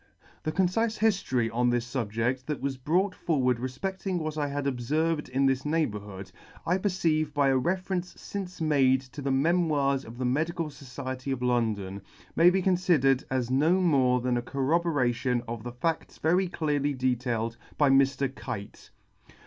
The concife hiftory on this fubjedt that was brought forward refpedting what I had obferved in this neighbourhood*, I perceive by a reference fince made to the Memoirs of the Medical Society of London, may be conlidered as no more than a corroboration of the fadts very clearly detailed by Mr. Kite ■f.